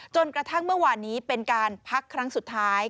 จนกระทั่งเมื่อวานนี้เป็นการพักครั้งสุดท้าย